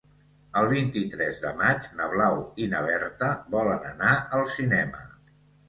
El vint-i-tres de maig na Blau i na Berta volen anar al cinema.